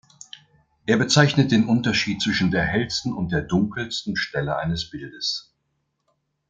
Er bezeichnet den Unterschied zwischen der hellsten und der dunkelsten Stelle eines Bildes.